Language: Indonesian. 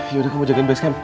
yaudah kamu jagain base camp